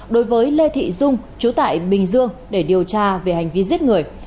đối với lê thị dung chú tại bình dương để điều tra về hành vi giết người